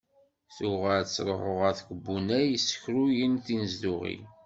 Tuɣal tettruḥu ɣer tkebbunay yessekruyen tinezduɣin.